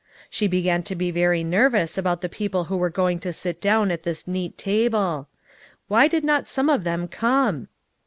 She began to be very nervous about the people who were going to sit down at this neat table. Why did not some of them come